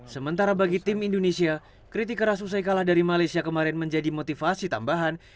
sementara bagi tim indonesia kritik keras usai kalah dari malaysia kemarin menjadi motivasi tambahan